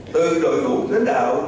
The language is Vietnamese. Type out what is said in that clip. từ đội phủ thuyến đạo